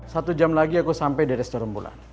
satu jam lagi aku sampai di restoran bulan